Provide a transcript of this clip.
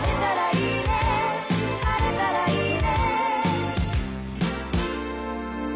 「晴れたらいいね」